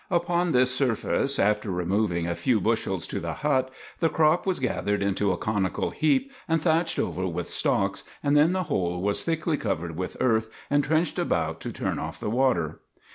Upon this surface, after removing a few bushels to the hut, the crop was gathered into a conical heap and thatched over with stalks, and then the whole was thickly covered with earth and trenched about to turn off the water.